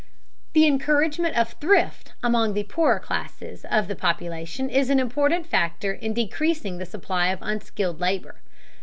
The encouragement of thrift among the poorer classes of the population is an important factor in decreasing the supply of unskilled labor.